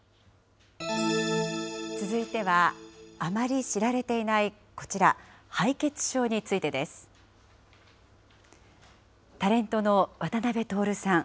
続いては、あまり知られていないこちら、敗血症についてです。タレントの渡辺徹さん。